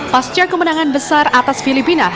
pasca kemenangan besar atas filipina